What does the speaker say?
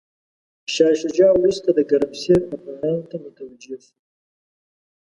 شاه شجاع وروسته د ګرمسیر افغانانو ته متوجه شو.